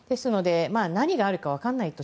何があるか分からないと。